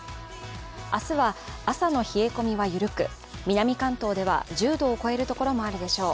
明日は朝の冷え込みは緩く、南関東では１０度を超えるところもあるでしょう。